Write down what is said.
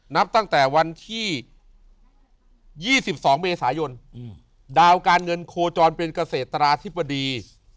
นับตั้งแต่วันที่๒๒เมษายนดาวการเงินโคจรเป็นเกษตราธิบดี